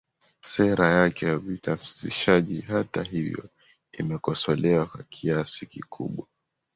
Sera yake ya ubinafsishaji hata hivyo imekosolewa kwa kiasi kikubwa